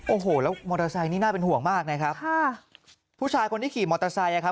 โอ้โหแล้วมอเตอร์ไซค์นี่น่าเป็นห่วงมากนะครับค่ะผู้ชายคนที่ขี่มอเตอร์ไซค์อ่ะครับ